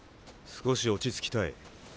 少し落ち着きたい。